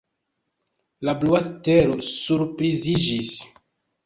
La blua stelo surpriziĝis.